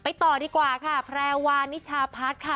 ต่อดีกว่าค่ะแพรวานิชาพัฒน์ค่ะ